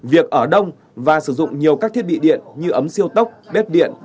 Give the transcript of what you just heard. việc ở đông và sử dụng nhiều các thiết bị điện như ấm siêu tốc bếp điện